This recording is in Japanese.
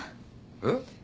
えっ？